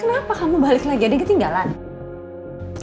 kenapa kamu balik lagi ada ketinggalan